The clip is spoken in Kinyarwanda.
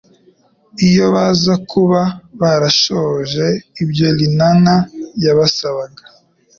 Iyo baza kuba barashohoje ibyo linana yabasabaga,